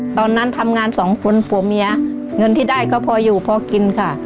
ตอนนั้นทำงานสองคนผัวเมียเงินที่ได้ก็พออยู่พอกินค่ะ